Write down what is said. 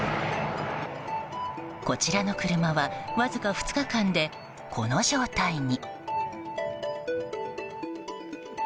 こちらの車はわずか２日間でこの状態に。